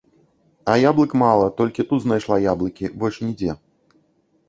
А яблык мала, толькі тут знайшла яблыкі, больш нідзе.